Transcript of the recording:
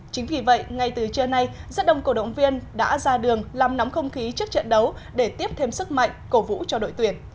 chính vì vậy ngay từ trưa nay rất đông cổ động viên đã ra đường làm nóng không khí trước trận đấu để tiếp thêm sức mạnh cổ vũ cho đội tuyển